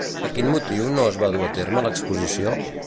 Per quin motiu no es va dur a terme l'exposició?